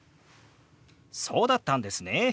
「そうだったんですね」。